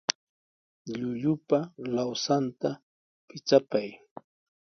Llullupa lawsanta pichapay.